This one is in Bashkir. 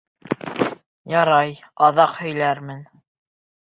Ярай, аҙаҡ һөйләрмен.